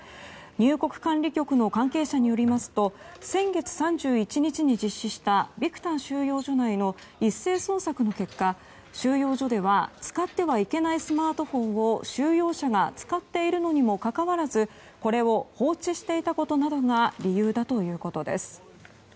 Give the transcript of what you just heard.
入国管理局の関係者によりますと先月３１日に実施したビクタン収容所内の一斉捜索の結果収容所では使ってはいけないスマートフォンを収容者が使っているのにもかかわらずこれを放置していたことなどが理由だということです。